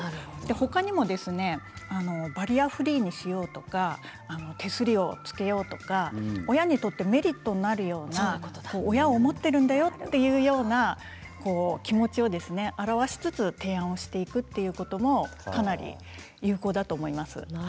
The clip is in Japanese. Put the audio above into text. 他にもバリアフリーにしよう手すりをつけよう親にとってメリットになるような親を思っているというような気持ちを表しつつ提案していくということもかなり有効だと思います。